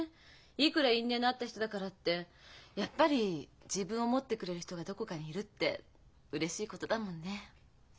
いくら因縁のあった人だからってやっぱり自分を思ってくれる人がどこかにいるってうれしいことだもんね。